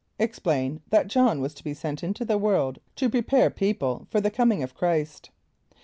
Explain that J[)o]hn was to be sent into the world to prepare people for the coming of Chr[=i]st.